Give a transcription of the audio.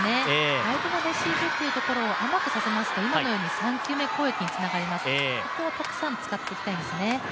レシーブというところを甘くさせますと今のように３球目攻撃につながります、ここをたくさん使っていきたいですね。